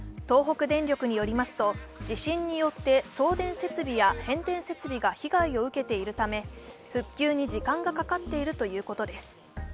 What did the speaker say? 東北電力によりますと地震によって、送電設備や変電設備が被害を受けているため、復旧に時間がかかっているということです。